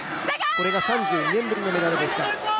これが３２年ぶりのメダルでした。